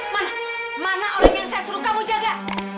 mana orang yang saya suruh kamu jaga